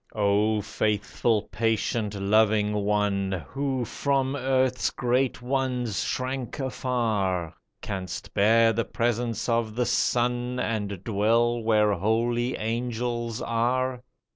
O faithful, patient, loving one, Who from earth's great ones shrank afar, Canst bear the presence of The Son, And dwell where holy angels are